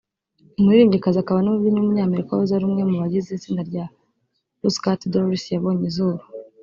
umuririmbyikazi akaba n’umubyinnyi w’umunyamerika wahoze ari umwe mu bagize itsinda rya Pussycat Dolls yabonye izuba